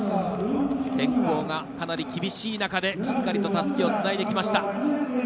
天候がかなり厳しい中でしっかりと、たすきをつないできました。